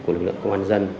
của lực lượng công an nhân dân